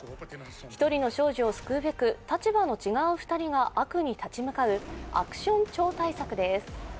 １人の少女を救うべく立場の違う２人が悪に立ち向かうアクション超大作です。